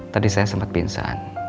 tadi saya sempet pingsan